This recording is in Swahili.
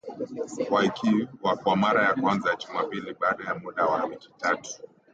wa Kyiv kwa mara ya kwanza Jumapili baada ya muda wa wiki tatu